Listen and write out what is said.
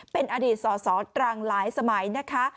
เป็นอดีตสสตรังหลายสมัยนะคะ